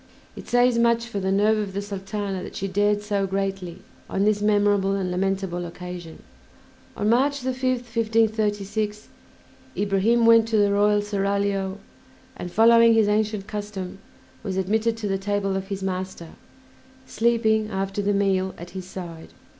It says much for the nerve of the Sultana that she dared so greatly on this memorable and lamentable occasion. On March 5th, 1536, Ibrahim went to the royal seraglio, and, following his ancient custom, was admitted to the table of his master, sleeping after the meal at his side.